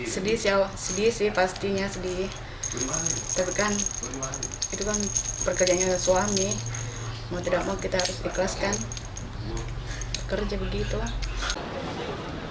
sedih sih sedih sih pastinya sedih tapi kan itu kan pekerjaannya suami mau tidak mau kita harus ikhlaskan kerja begitu lah